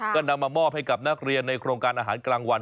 ก็นำมามอบให้กับนักเรียนในโครงการอาหารกลางวัน